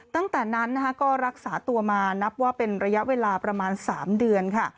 ตั้งแต่นั้นก็รักษาตัวมานับว่าเป็นระยะเวลาประมาณ๓เดือนค่ะ